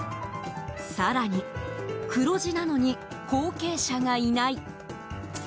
更に黒字なのに後継者がいない。